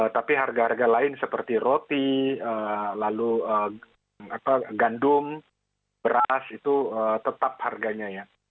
tapi harga harga lain seperti roti lalu gandum beras itu tetap harganya ya